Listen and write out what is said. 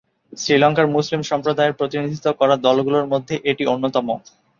শ্রীলঙ্কার মুসলিম সম্প্রদায়ের প্রতিনিধিত্ব করা দলগুলোর মধ্যে এটি অন্যতম।